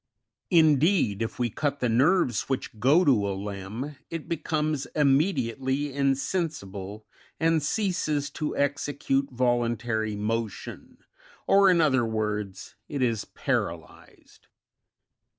22. Indeed, if we cut the nerves which go to a limb, it becomes immediately insensible, and ceases to execute voluntary motion, or in other words, it is paralysed.